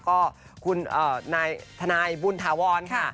ก็คุณทนายบุญถาวรค่ะ